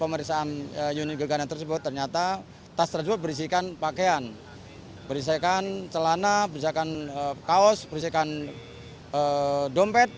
pemeriksaan unit gegana tersebut ternyata tas tersebut berisikan pakaian berisikan celana berisikan kaos berisikan dompet